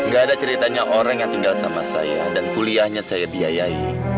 gak ada ceritanya orang yang tinggal sama saya dan kuliahnya saya biayai